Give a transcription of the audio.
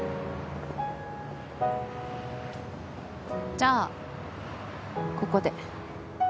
じゃあここで。